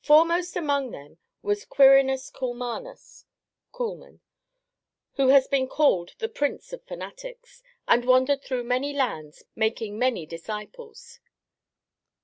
Foremost among them was Quirinus Kulmanus (Kuhlmann), who has been called the Prince of Fanatics, and wandered through many lands making many disciples.